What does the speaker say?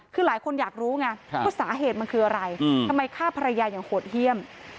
คือหลายคนอยากรู้ไงว่าสาเหตุมันคืออะไรทำไมฆ่าภรรยาอย่างโหดเยี่ยม